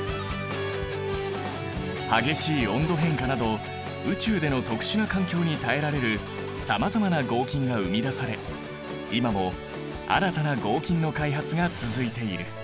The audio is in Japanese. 激しい温度変化など宇宙での特殊な環境に耐えられるさまざまな合金が生み出され今も新たな合金の開発が続いている。